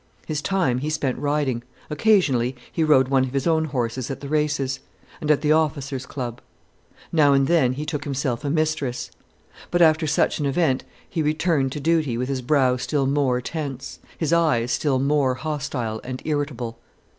His time he spent riding—occasionally he rode one of his own horses at the races—and at the officers' club. Now and then he took himself a mistress. But after such an event, he returned to duty with his brow still more tense, his eyes still more hostile and irritable.